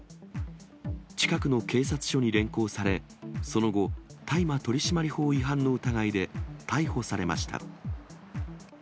近くの警察署に連行され、その後、大麻取締法違反の疑いで逮捕されました。